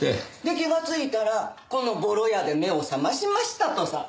で気がついたらこのボロ屋で目を覚ましましたとさ。